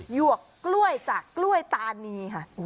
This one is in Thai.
หวกกล้วยจากกล้วยตานีค่ะ